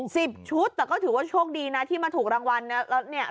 สิบชุดแต่ก็ถือว่าโชคดีนะที่มาถูกรางวัลเนี่ยแล้วเนี่ย